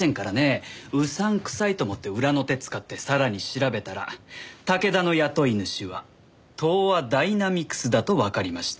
うさんくさいと思って裏の手使ってさらに調べたら武田の雇い主は東亜ダイナミクスだとわかりました。